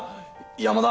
山田！